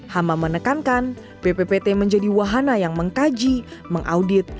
hama menekankan bppt menjadi wahana yang mengkaji mengaudit